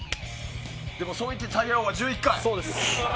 でもそう言ってタイヤ王は１１回。